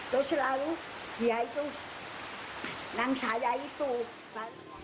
terus lalu dia itu nang saya itu